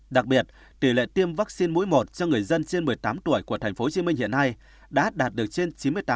đặc biệt tỷ lệ tiêm vaccine mũi một cho người dân trên một mươi tám tuổi của tp hcm hiện nay đã đạt được trên chín mươi tám